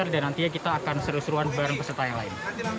dan nantinya kita akan seru seruan bersama peserta yang lain